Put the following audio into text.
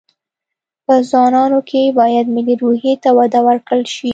په ځوانانو کې باید ملي روحي ته وده ورکړل شي